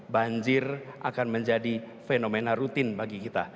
banjir akan menjadi fenomena rutin bagi kita